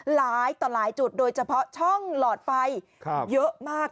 หลายต่อหลายจุดโดยเฉพาะช่องหลอดไฟเยอะมาก